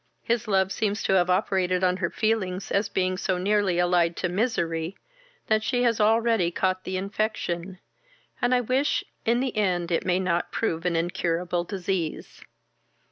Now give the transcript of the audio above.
His love seems to have operated on her feelings as being so nearly allied to misery, that she has already caught the infection, and I wish in the end it may not prove an incurable disease.